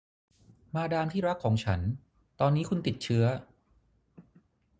มาดามที่รักของฉัน ตอนนี้คุณติดเชื้อ